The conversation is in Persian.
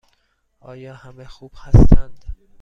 آیا همه خوب هستند؟